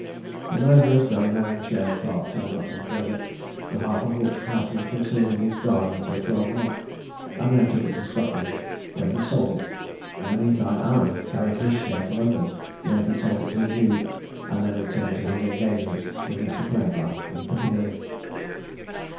The murderers, going home, shared Clarke's ill gotten treasure, the half of which Houseman concealed in his garden for a twelvemonth, and then took it to Scotland, where he sold it. In the mean time Aram carried his share to London, where he sold it to a Jew, and then returned to his engagement with Mr. Plainblanc, in Piccadilly.